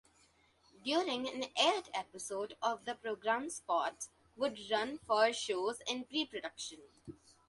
During an aired episode of the program spots would run for shows in pre-production.